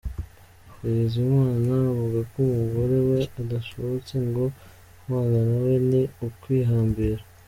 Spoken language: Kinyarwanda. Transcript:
Bizimana avuga ko umugore we adashobotse, ngo kubana na we ni ukwihambira.